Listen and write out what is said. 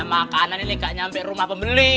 makanan ini gak nyampe rumah pembeli